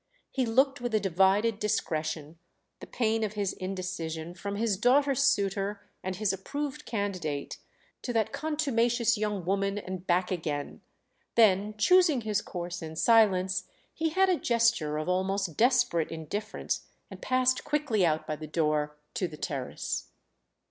He looked with a divided discretion, the pain of his indecision, from his daughter's suitor and his approved candidate to that contumacious young woman and back again; then choosing his course in silence he had a gesture of almost desperate indifference and passed quickly out by the door to the terrace.